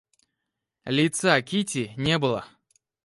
Лица Кити не было.